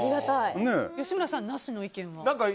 吉村さん、なしの意見は？